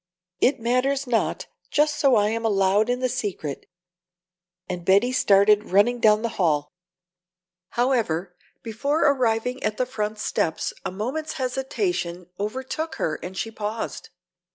It matters not just so I am allowed in the secret." And Betty started running down the hall. However, before arriving at the front steps a moment's hesitation overtook her and she paused.